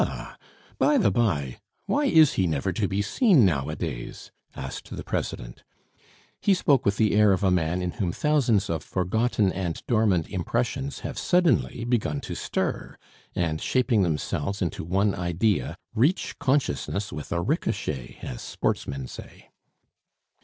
"Ah! by the by, why is he never to be seen nowadays?" asked the President. He spoke with the air of a man in whom thousands of forgotten and dormant impressions have suddenly begun to stir, and shaping themselves into one idea, reach consciousness with a ricochet, as sportsmen say.